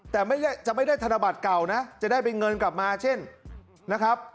แต่ไม่ได้ธนบัตรเก่านะจะได้เป็นเงินกลับมาเช่นนะครับ